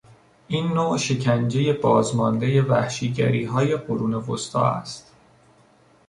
این نوع شکنجه بازماندهی وحشیگریهای قرون وسطی است.